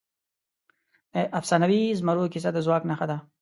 د افسانوي زمرو کیسه د ځواک نښه ده.